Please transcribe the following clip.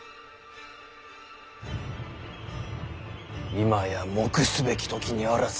今や黙すべき時にあらず。